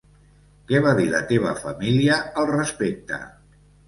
Què va dir la teva família al respecte?